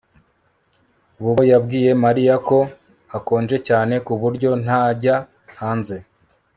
Bobo yabwiye Mariya ko hakonje cyane ku buryo ntajya hanze